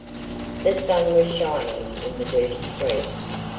The sun was shining in the dirty street.